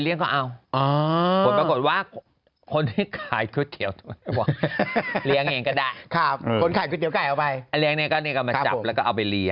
เรียงเองก็เอามาจับแล้วก็เอาไปเรียง